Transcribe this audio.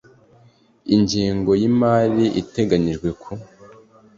Ingengo y imari iteganyijwe ku